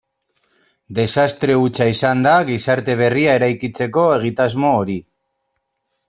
Desastre hutsa izan da gizarte berria eraikitzeko egitasmo hori.